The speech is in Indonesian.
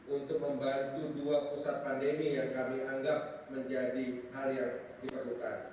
untuk membantu dua pusat pandemi yang kami anggap menjadi hal yang diperlukan